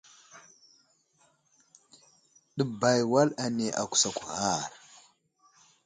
Ɗəbay wal ane agusakw ghar.